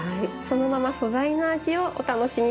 そのまま素材の味をお楽しみ下さい。